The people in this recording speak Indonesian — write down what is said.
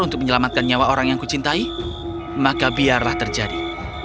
untuk menyelamatkan nyawa orang yang kucintai maka biarlah terjadi